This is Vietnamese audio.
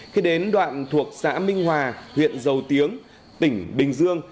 khi đến đoạn thuộc xã minh hòa huyện dầu tiếng tỉnh bình dương